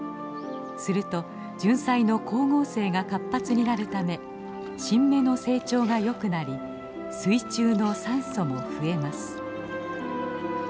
するとジュンサイの光合成が活発になるため新芽の成長がよくなり水中の酸素も増えます。